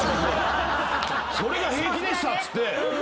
それが平気でしたって。